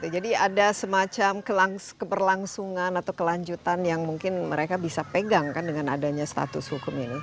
jadi ada semacam keberlangsungan atau kelanjutan yang mungkin mereka bisa pegang kan dengan adanya status hukum ini